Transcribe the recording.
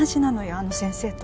あの先生と。